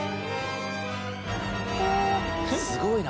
すごいな。